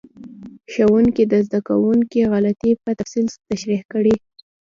ښوونکي د زده کوونکو غلطۍ په تفصیل تشریح کړې.